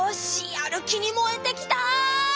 やる気にもえてきた！